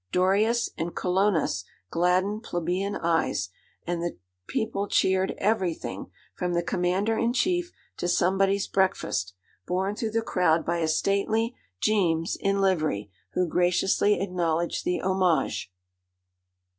Dorias and Colonnas gladdened plebeian eyes, and the people cheered every thing, from the Commander in Chief to somebody's breakfast, borne through the crowd by a stately 'Jeames' in livery, who graciously acknowledged the homage.